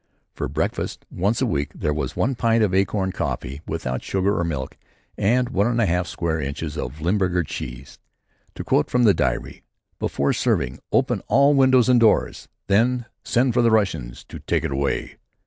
For breakfast once a week there was one pint of acorn coffee without sugar or milk and one and a half square inches of Limburger cheese. To quote from the diary: "Before serving, open all windows and doors. Then send for the Russians to take it away."